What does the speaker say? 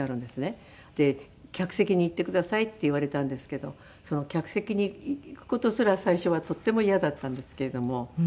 で「客席に行ってください」って言われたんですけど客席に行く事すら最初はとっても嫌だったんですけれども。